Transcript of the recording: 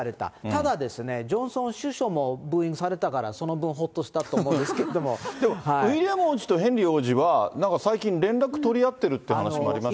ただ、ジョンソン首相もブーイングされたからその分ほっとしたとでもウィリアム王子とヘンリー王子は、最近連絡取り合ってるという話もありますね。